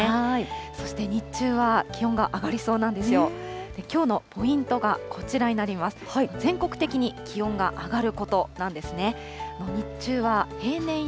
そして日中は気温が上がりそうなんですよ。